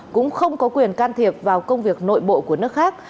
cũng không có quyền can thiệp vào công việc nội bộ của nước khác